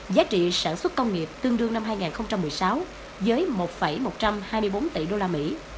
giá trị sản xuất công nghiệp tương đương năm hai nghìn một mươi sáu với một một trăm hai mươi bốn tỷ đô la mỹ